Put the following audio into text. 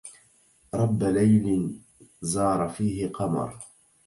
رب ليل زار فيه قمر